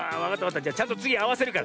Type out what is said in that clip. じゃちゃんとつぎあわせるから。